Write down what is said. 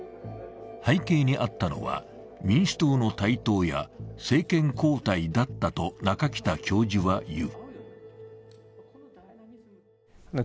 背景にあったのは民主党の台頭や政権交代だったと中北教授は言う。